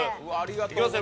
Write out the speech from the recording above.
いきますよ